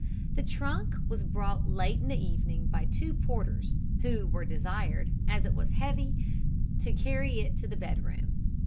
The trunk was brought late in the evening by two porters, who were desired, as it was heavy, to carry it to the bed room.